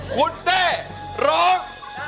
คุณเต้ร้อง